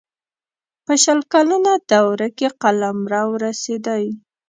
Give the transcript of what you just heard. په شل کلنه دوره کې قلمرو رسېدی.